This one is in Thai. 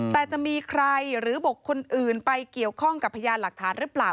แต่จะมีใครหรือบุคคลอื่นไปเกี่ยวข้องกับพยานหลักฐานหรือเปล่า